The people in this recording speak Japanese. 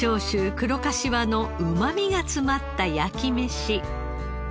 黒かしわのうまみが詰まった焼き飯。